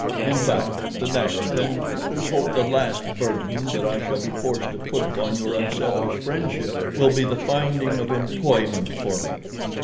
In fact, the next, and let us hope the last, burden that I shall be forced to put upon your unselfish friendship will be the finding of employment for me."